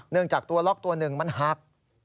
จากตัวล็อกตัวหนึ่งมันหัก